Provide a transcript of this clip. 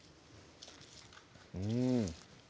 うん